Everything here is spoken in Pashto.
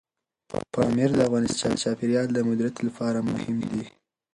پامیر د افغانستان د چاپیریال د مدیریت لپاره مهم دي.